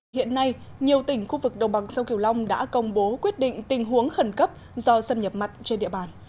hiện nay nhiều tỉnh khu vực đồng bằng sông kiều long đã công bố quyết định tình huống khẩn cấp do xâm nhập mặn trên địa bàn